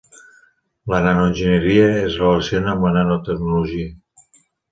La nanoenginyeria es relaciona amb la nanotecnologia.